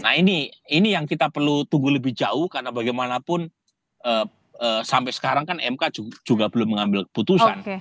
nah ini yang kita perlu tunggu lebih jauh karena bagaimanapun sampai sekarang kan mk juga belum mengambil keputusan